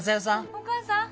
お母さん？